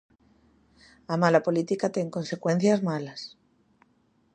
A mala política ten consecuencias malas.